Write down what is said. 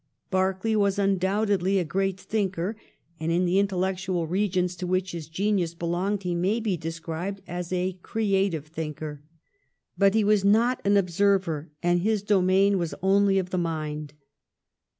Berkeley was undoubtedly a great thinker, and in the intellectual regions to which his genius belonged he may be described as a creative thinker. But he was not an observer, and his domain was only of the mind.